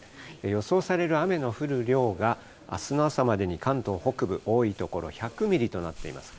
予想される雨の降る量が、あすの朝までに関東北部、多い所１００ミリとなっています。